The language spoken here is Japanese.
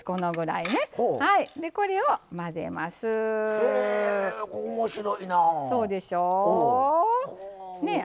へえ面白いなあ。